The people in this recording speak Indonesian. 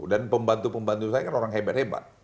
pembantu pembantu saya kan orang hebat hebat